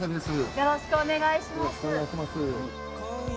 よろしくお願いします。